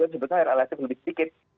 sebetulnya realitasnya lebih sedikit